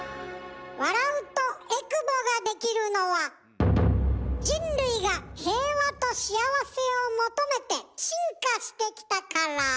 笑うとえくぼができるのは人類が平和と幸せを求めて進化してきたから。